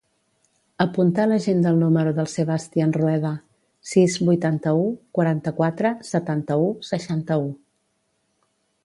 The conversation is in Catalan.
Apunta a l'agenda el número del Sebastian Rueda: sis, vuitanta-u, quaranta-quatre, setanta-u, seixanta-u.